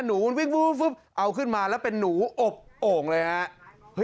หนูมันวิ่งเอาขึ้นมาแล้วเป็นหนูอบโอ่งเลยฮะ